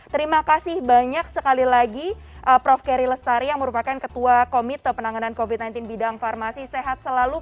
terima kasih banyak sekali lagi prof keri lestari yang merupakan ketua komite penanganan covid sembilan belas bidang farmasi sehat selalu